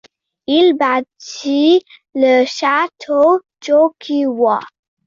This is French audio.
Il bâtit le château d'Ōkuwa.